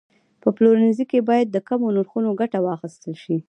په پلورنځي کې باید د کمو نرخونو ګټه واخیستل شي.